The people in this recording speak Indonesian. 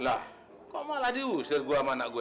lah kok malah diusir gue sama anak gue